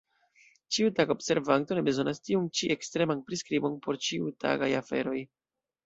Ĉiutaga observanto ne bezonas tiun ĉi ekstreman priskribon por ĉiutagaj aferoj.